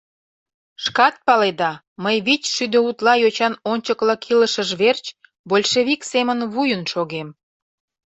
Шкат паледа, мый вич шӱдӧ утла йочан ончыкылык илышыж верч большевик семын вуйын шогем.